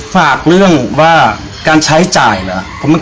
ฝากเรื่องว่าการใช้จ่ายเหรอ